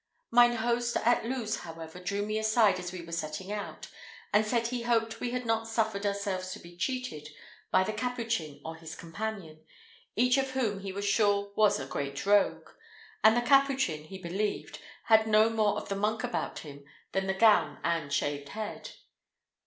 Mine host at Luz, however, drew me aside as we were setting out, and said he hoped we had not suffered ourselves to be cheated by the Capuchin or his companion, each of whom he was sure was a great rogue, and the Capuchin, he believed, had no more of the monk about him than the gown and shaved head.